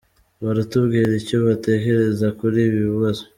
baratubwira icyo batekereza kuri ibi bibazo.